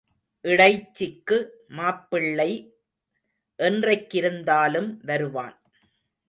இடைச்சிக்கு மாப்பிள்ளை என்றைக்கிருந்தாலும் வருவான்.